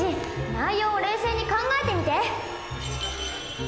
内容を冷静に考えてみて。